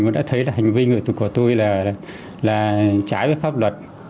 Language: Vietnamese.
và đã thấy là hành vi của tôi là trái với pháp luật